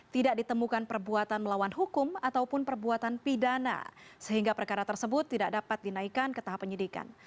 tidak ditemukan perbuatan melawan hukum ataupun perbuatan pidana sehingga perkara tersebut tidak dapat dinaikkan ke tahap penyidikan